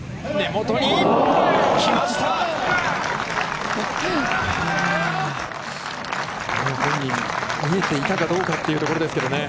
本人、見えていたかどうかというところですけど。